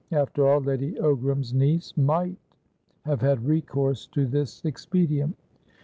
After all, Lady Ogram's niece might have had recourse to this expedient.